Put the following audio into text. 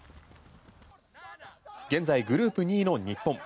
現在、グループ２位の日本。